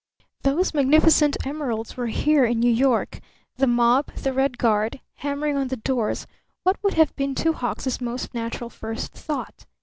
Those magnificent emeralds were here in New York, The mob the Red Guard hammering on the doors, what would have been Two Hawks' most natural first thought?